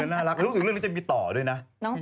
น่ารักรู้สึกเรื่องนี้จะมีต่อด้วยนะ